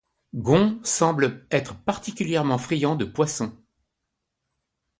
Gon semble être particulièrement friand de poissons.